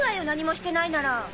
何もしてないなら。